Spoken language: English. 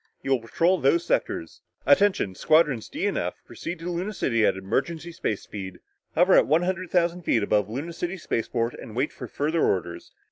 You will patrol those sectors. Attention Squadrons D and F proceed to Luna City at emergency space speed, hover at one hundred thousand feet above Luna City spaceport and wait for further orders.